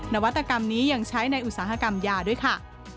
นวัตกรรมนี้ยังใช้ในอุตสาหกรรมยาด้วยค่ะ